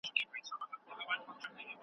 دوی غوښتل چي روحانیون نور هم فعال سي.